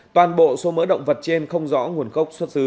toàn bộ số mỡ động vật trên không rõ nguồn gốc